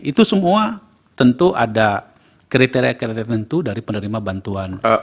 itu semua tentu ada kriteria kriteria tentu dari penerima bantuan